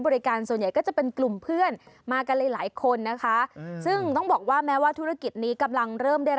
แล้วก็นอนกันหลายคนนอนคุยกันนอนเล่นได้